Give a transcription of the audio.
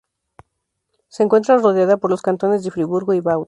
Se encuentra rodeada por los cantones de Friburgo y Vaud.